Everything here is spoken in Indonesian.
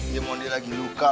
iya mondi lagi luka